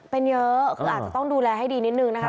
เป็นเยอะคืออาจจะต้องดูแลให้ดีนิดนึงนะคะ